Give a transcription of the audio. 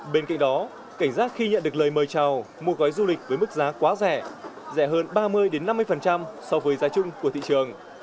bên cạnh đó cảnh giác khi nhận được lời mời chào mua gói du lịch với mức giá quá rẻ rẻ hơn ba mươi năm mươi so với giá chung của thị trường